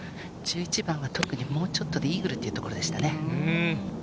１１番は特にもうちょっとでイーグルというところでしたね。